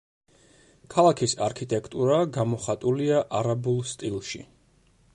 ქალაქის არქიტექტურა გამოხატულია არაბულ სტილში.